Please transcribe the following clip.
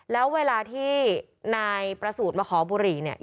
แล้วเวลาที่นายประสูจน์มาขอบุหรี่เนี่ย